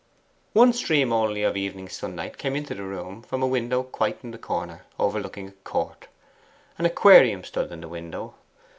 One stream only of evening sunlight came into the room from a window quite in the corner, overlooking a court. An aquarium stood in the window.